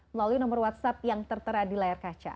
melalui nomor whatsapp yang tertera di layar kaca